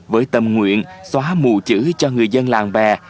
với tâm nguyện xóa mù chữ cho người dân làng bè